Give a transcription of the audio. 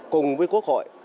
cùng với quốc hội